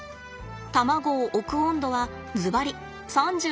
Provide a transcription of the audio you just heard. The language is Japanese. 卵を置く温度はずばり３６．４℃です。